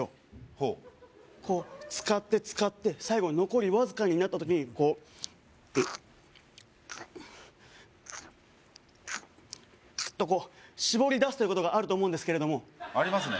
ほうこう使って使って最後残りわずかになった時にこうグッグッグッグッグッとこうしぼり出すということがあると思うんですけれどもありますね